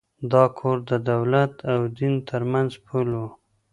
دا کور د دولت او دین تر منځ پُل و.